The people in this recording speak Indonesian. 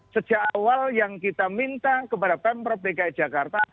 sejak awal yang kita minta kepada pemprov dki jakarta